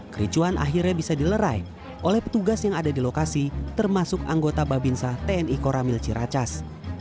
kericuan akhirnya bisa dilerai oleh petugas yang ada di lokasi termasuk anggota babinsa tni koramil ciracas